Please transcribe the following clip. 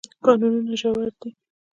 کانونه ژور دي.